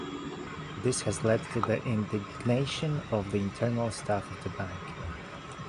This has led to the indignation of the internal staff of the bank.